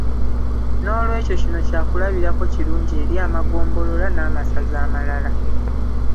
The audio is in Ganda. N’olw’ekyo kino kyakulabirako kirungi eri amagombolola n’amasaza amalala.